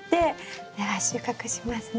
では収穫しますね。